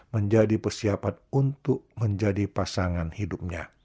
menjadi persiapan untuk menjadi pasangan hidupnya